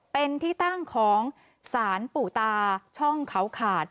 เป็นที่ตั้งของสารปู่ตาช่องเขาขาด